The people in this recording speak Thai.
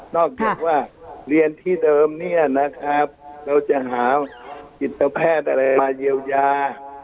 จากว่าเรียนที่เดิมเนี่ยนะครับเราจะหาจิตแพทย์อะไรมาเยียวยา